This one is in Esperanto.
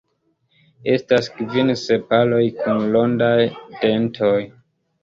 Estas kvin sepaloj kun rondaj dentoj.